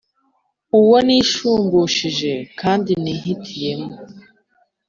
uwo nishumbushije kandi nihitiyemo,